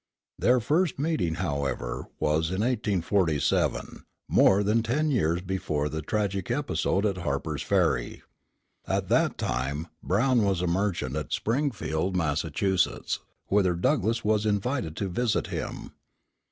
Their first meeting, however, was in 1847, more than ten years before the tragic episode at Harpers Ferry. At that time Brown was a merchant at Springfield, Massachusetts, whither Douglass was invited to visit him.